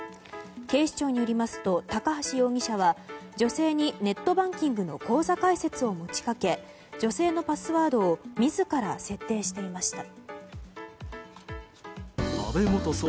警視庁によりますと高橋容疑者は女性にネットバンキングの口座開設を持ち掛け女性のパスワードを自ら設定していました。